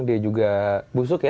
dia juga busuk ya